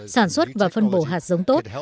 sản xuất và phân bổ hạt giống tốt